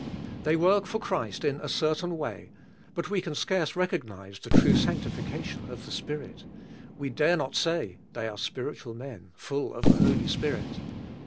They work for Christ in a certain way, but we can scarce recognize the true sanctification of the Spirit; we dare not say they are spiritual men, full of the Holy Spirit.